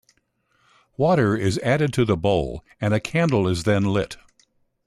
Water is added to the bowl and a candle is then lit.